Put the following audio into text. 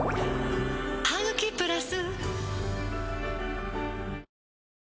「ハグキプラス」